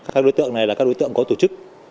các đối tượng này là các đối tượng có tổ chức